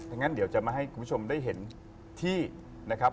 งั้นเดี๋ยวจะมาให้คุณผู้ชมได้เห็นที่นะครับ